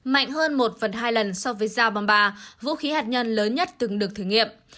mạnh hơn một phần hai lần so với gia bamba vũ khí hạt nhân lớn nhất từng được thử nghiệm